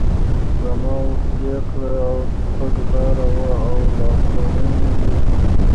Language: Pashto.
د ماوو پرېکړه او تګلاره وه او لارښوونې وې.